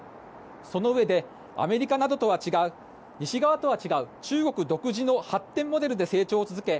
そのうえでアメリカなどとは違う西側とは違う中国独自の発展モデルで成長を続け